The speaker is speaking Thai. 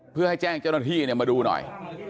เพื่อให้แจ้งเจ้าหน้าที่มาดูหน่อย